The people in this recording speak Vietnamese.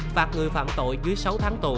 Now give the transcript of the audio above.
phạt người phạm tội dưới sáu tháng tù